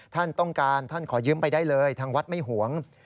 ท่านต้องการท่านขอยืมไปได้เลยทางวัดไม่ห่วง